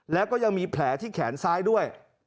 แล้วก็ยังมีแผลที่แขนซ้ายด้วย